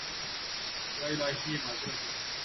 یا الٰہی یہ ماجرا کیا ہے